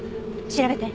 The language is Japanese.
調べて。